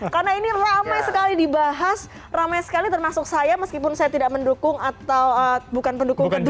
karena ini ramai sekali dibahas ramai sekali termasuk saya meskipun saya tidak mendukung atau bukan pendukung kedua